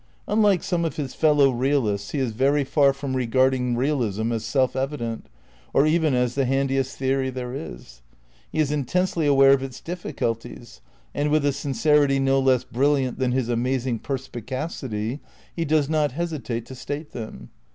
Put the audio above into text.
Unlike some of his fellow realists he is very far from regarding realism as self evident, or even as the handi est theory there is. He is intensely aware of its diffi culties, and with a sincerity no less brilliant than his amazing perspicacity he does not hesitate to state them.